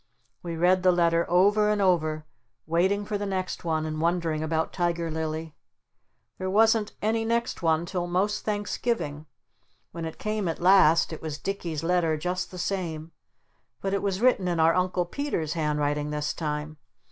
We read the letter over and over waiting for the next one and wondering about Tiger Lily. There wasn't any next one till most Thanksgiving. When it came at last it was Dicky's letter just the same, but it was written in our Uncle Peter's handwriting this time.